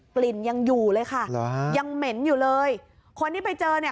กลิ่นยังอยู่เลยค่ะหรอฮะยังเหม็นอยู่เลยคนที่ไปเจอเนี่ย